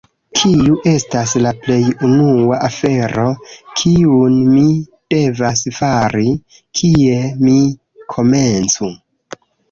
Kiu estas la plej unua afero, kiun mi devas fari? Kie mi komencu?